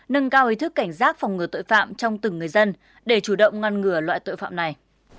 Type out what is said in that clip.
nâng cao ý thức cảnh giác phòng ngừa tội phạm trong từng người dân để chủ động ngăn ngừa loại tội phạm này